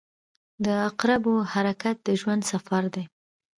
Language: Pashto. • د عقربو حرکت د ژوند سفر دی.